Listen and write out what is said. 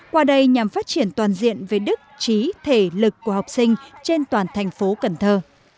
qua đây nhằm phát triển toàn diện về đức trí thể lực của học sinh trên toàn thành phố cần thơ